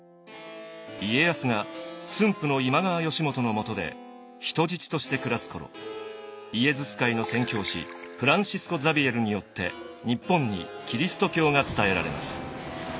家康が駿府の今川義元のもとで人質として暮らす頃イエズス会の宣教師フランシスコ・ザビエルによって日本にキリスト教が伝えられます。